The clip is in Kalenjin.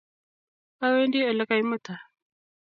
Awendi ole ka'muta .